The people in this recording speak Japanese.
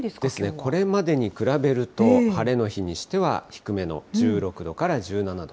これまでに比べると、晴れの日にしては低めの１６度から１７度。